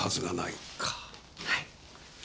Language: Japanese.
はい。